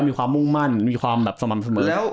มีความมุ่งมั่นสมันเสมอ